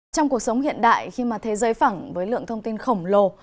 trong cuộc sống hiện đại khi mà thế giới phẳng với lượng thông tin khổng lồ